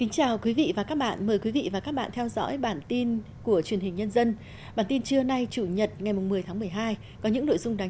chào mừng quý vị đến với bản tin truyền hình nhân dân